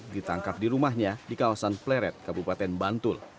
ditangkap di rumahnya di kawasan pleret kabupaten bantul